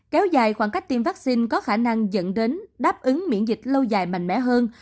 kéo dài khoảng cách tiêm vaccine có khả năng dẫn đến đáp ứng miễn dịch lâu dài mạnh mẽ hơn